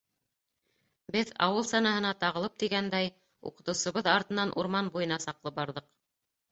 Беҙ, ауыл санаһына тағылып тигәндәй, уҡытыусыбыҙ артынан урман буйына саҡлы барҙыҡ.